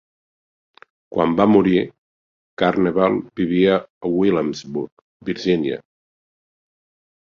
Quan va morir, Carnevale vivia a Williamsburg, Virginia.